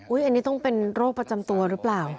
อันนี้ต้องเป็นโรคประจำตัวหรือเปล่า